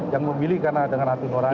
yang memilih karena dengan hati nurani